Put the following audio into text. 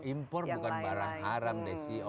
import bukan barang haram deh sih